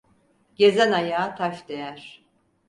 Gezen ayağa taş değer.